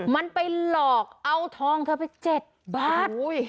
มันไปหลอกเอาทองเธอไป๗บาท